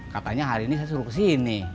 katanya hari ini saya suruh kesini